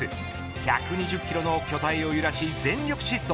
１２０キロの巨体を揺らし、全力疾走。